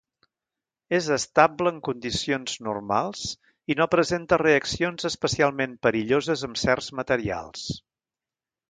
És estable en condicions normals i no presenta reaccions especialment perilloses amb certs materials.